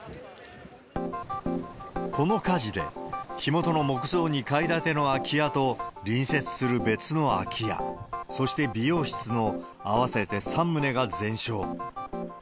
この火事で、火元の木造２階建ての空き家と隣接する別の空き家、そして美容室の合わせて３棟が全焼。